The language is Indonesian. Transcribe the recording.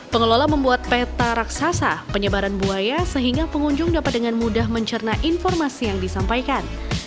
pengelola membuat peta raksasa penyebaran buaya sehingga pengunjung dapat dengan mudah mencerna informasi yang disampaikan